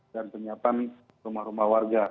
dan penyiapan rumah rumah warga